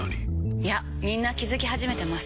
いやみんな気付き始めてます。